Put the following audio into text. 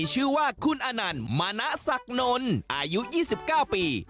มีชื่อว่าคุณอนันทร์มานะสักนนอายุ๒๙ปี